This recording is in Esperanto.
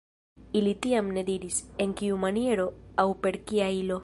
Ili tiam ne diris, en kiu maniero aŭ per kia ilo.